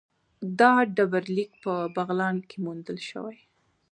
دا ډبرلیک په بغلان کې موندل شوی